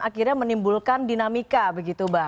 akhirnya menimbulkan dinamika begitu mbak